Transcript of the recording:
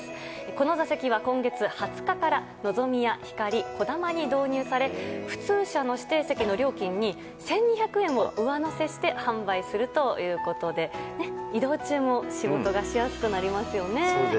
この座席は今月２０日から「のぞみ」や「ひかり」「こだま」に導入され普通車の指定席の料金に１２００円を上乗せして販売するということで移動中も仕事がしやすくなりますね。